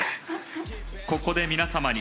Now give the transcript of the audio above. ここで皆様に。